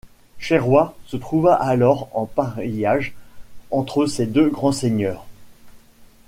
Chéroy se trouva alors en pariage entre ces deux grands seigneurs.